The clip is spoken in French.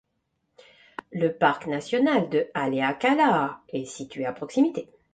Le parc national de Haleakalā est situé à proximité.